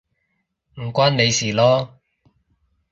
唔關你事囉